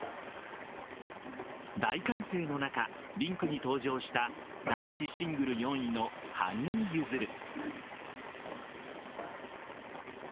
大歓声の中、リンクに登場した男子シングル４位の羽生結弦。